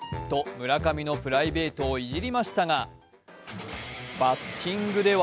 村上のプライベートをいじりましたがバッティングでは